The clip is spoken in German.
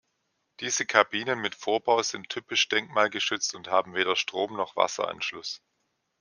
Diese Kabinen mit Vorbau sind typisch denkmalgeschützt und haben weder Strom- noch Wasseranschluss.